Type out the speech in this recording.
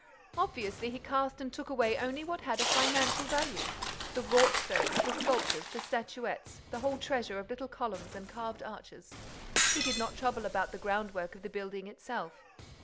"Obviously, he cast and took away only what had a financial value: the wrought stones, the sculptures, the statuettes, the whole treasure of little columns and carved arches. He did not trouble about the groundwork of the building itself.